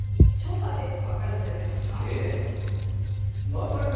まさか！